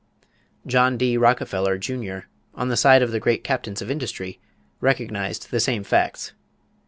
John D. Rockefeller, Jr., on the side of the great captains of industry, recognized the same facts.